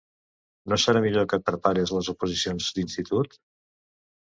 No serà millor que et prepares les oposicions d'institut?